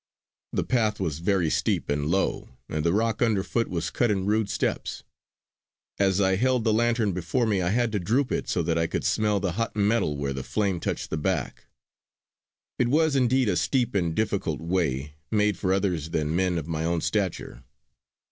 The path was very steep and low and the rock underfoot was cut in rude steps; as I held the lantern before me I had to droop it so that I could smell the hot metal where the flame touched the back. It was indeed a steep and difficult way, made for others than men of my own stature.